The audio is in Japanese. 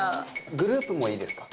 グループもいいですか？